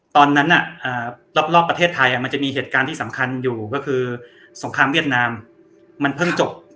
ตอนนั้นรอบประเทศไทยมันจะมีเหตุการณ์ที่สำคัญอยู่ก็คือสงครามเวียดนามมันเพิ่งจบ